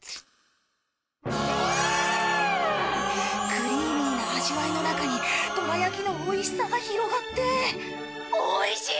クリーミーな味わいの中にどら焼きのおいしさが広がっておいしい！